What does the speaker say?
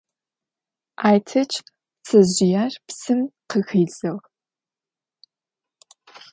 Айтэч пцэжъыер псым къыхидзыгъ.